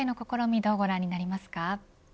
どうご覧になりますか。